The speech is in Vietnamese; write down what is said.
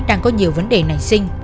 đang có nhiều vấn đề nảy sinh